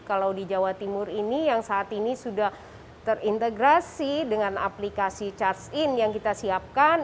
kalau di jawa timur ini yang saat ini sudah terintegrasi dengan aplikasi charge in yang kita siapkan